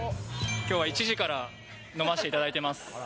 きょうは１時から飲ませていただいてます。